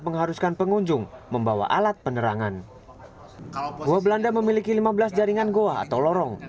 mengharuskan pengunjung membawa alat penerangan gua belanda memiliki lima belas jaringan goa atau lorong